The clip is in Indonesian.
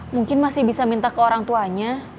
mungkin masih bisa minta ke orang tuanya